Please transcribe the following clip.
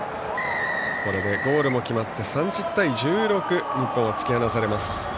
これでゴールも決まって３０対１６と日本は突き放されます。